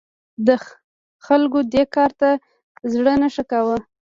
د خلکو دې کار ته زړه نه ښه کاوه.